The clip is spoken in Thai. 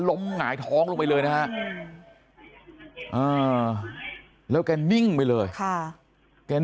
หงายท้องลงไปเลยนะฮะแล้วแกนิ่งไปเลยค่ะแก